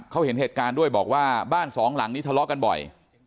เขาเห็นเหตุการณ์ด้วยบอกว่าบ้านสองหลังนี้ทะเลาะกันบ่อย